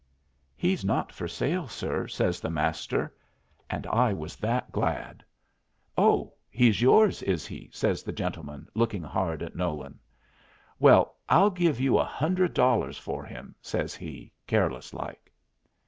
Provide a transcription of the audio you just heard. "He's not for sale, sir," says the Master, and I was that glad. "Oh, he's yours, is he?" says the gentleman, looking hard at Nolan. "Well, I'll give you a hundred dollars for him," says he, careless like.